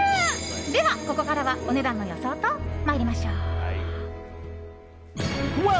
では、ここからはお値段の予想と参りましょう。